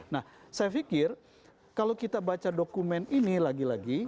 nah saya pikir kalau kita baca dokumen ini lagi lagi